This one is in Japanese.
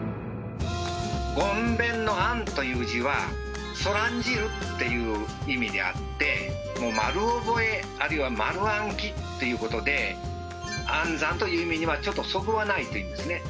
ごんべんの「諳」という字は「そらんじる」っていう意味であってもう丸覚えあるいは丸暗記ということで暗算という意味にはちょっとそぐわないというんですね。